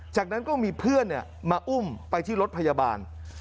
จากนั้นก็มีเพื่อนมาอุ้มไปที่รถพยาบาล